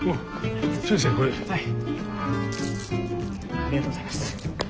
ありがとうございます。